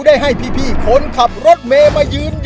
แล้ววันนี้ผมมีสิ่งหนึ่งนะครับเป็นตัวแทนกำลังใจจากผมเล็กน้อยครับ